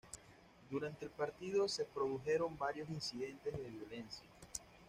Durante el partido se produjeron varios incidentes de violencia.